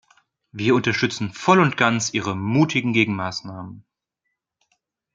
Wir unterstützen voll und ganz ihre mutigen Gegenmaßnahmen.